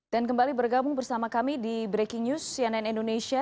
dan kembali bergabung bersama kami di breaking news cnn indonesia